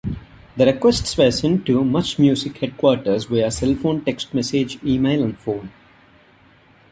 The requests were sent to MuchMusic headquarters via cellphone text message, email, and phone.